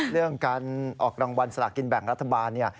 เรื่องการออกรางวัลสลากินแบ่งรัฐบาลเนี่ย